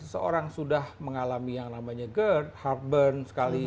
ketika seseorang sudah mengalami yang namanya gerd heartburn sekali